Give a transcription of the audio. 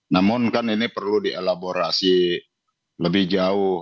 namun kan ini perlu dielaborasi lebih jauh